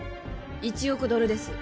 １億ドルです